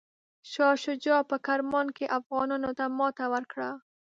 شاه شجاع په کرمان کې افغانانو ته ماته ورکړه.